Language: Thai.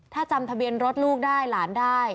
ถ้าจำทะเบียนรถลูกได้หลานได้